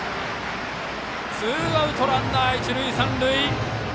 ツーアウトランナー、一塁三塁。